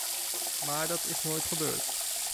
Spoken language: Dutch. Maar dat is nooit gebeurd.